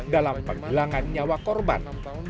dalam penghilangan nyawa korban